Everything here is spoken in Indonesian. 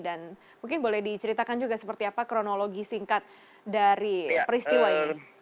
dan mungkin boleh diceritakan juga seperti apa kronologi singkat dari peristiwa ini